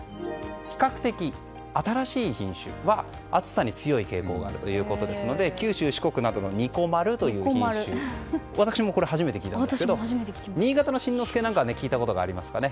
比較的新しい品種は暑さに強い傾向があるということですので九州・四国などのにこまるという品種私もこれ、初めて聞いたんですが新潟の新之助なんかは聞いたことがありますかね。